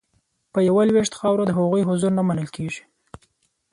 په یوه لوېشت خاوره د هغوی حضور نه منل کیږي